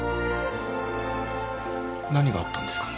何があったんですか？